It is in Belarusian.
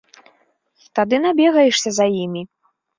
Тады набегаешся за імі.